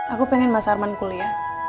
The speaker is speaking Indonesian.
aku pengen mas arman kuliah